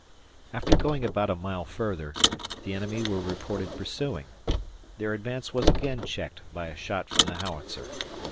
After going about a mile further, the enemy were reported pursuing. Their advance was again checked by a shot from the howitzer.